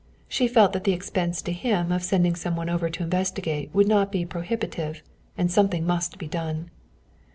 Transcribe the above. She felt that the expense to him of sending some one over to investigate would not be prohibitive, and something must be done.